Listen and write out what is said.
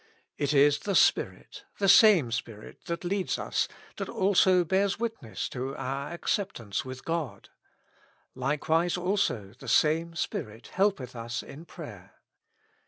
^^ It is the Spirit, *' the same Spirit," that leads us, that also bears witness to our acceptance with God; ^^ likewise, also," the same Spirit helpeth us in prayer.